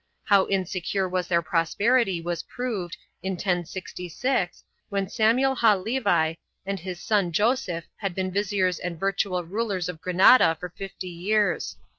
2 How insecure was their prosperity was proved, in 1066, when Samuel ha Levi and his son Joseph had been viziers and virtual rulers of Granada for fifty years.